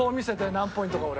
何ポイントか俺。